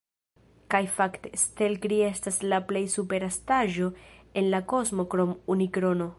Kaj fakte, Stelkri estas la plej supera estaĵo en la kosmo krom Unikrono.